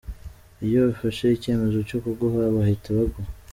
Iyo bafashe icyemezo cyo kuguha, bahita baguha".